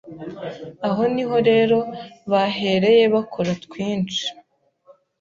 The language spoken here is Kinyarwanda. Aho niho rero bahereye bakora twinshi,